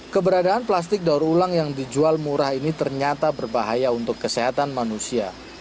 keberadaan plastik daur ulang yang dijual murah ini ternyata berbahaya untuk kesehatan manusia